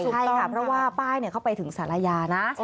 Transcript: ใช่ค่ะเพราะว่าป้ายเข้าไปถึงสารยานะ